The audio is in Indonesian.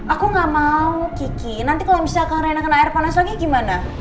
aku gak mau kiki nanti kalau misalnya akan reina kena air panas lagi gimana